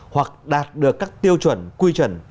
hoặc đạt được các tiêu chuẩn quy chuẩn